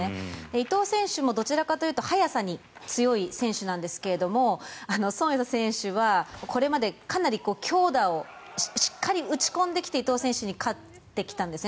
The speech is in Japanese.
伊藤選手もどちらかというと速さに強い選手なんですがソン・エイサ選手はこれまでかなり強打をしっかり打ち込んできて伊藤選手に勝ってきたんですよね